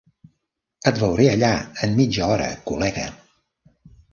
Et veuré allà en mitja hora col·lega.